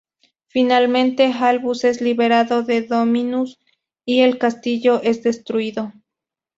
Finalmente, Albus es liberado de Dominus y el castillo es destruido.